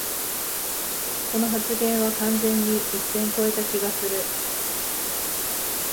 この発言は完全に一線こえた気がする